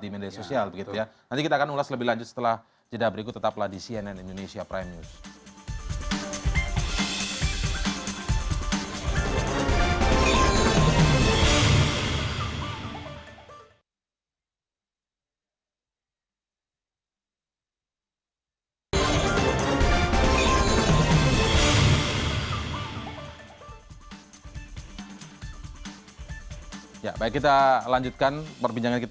baik nanti kita masih akan bicara soal penjagaan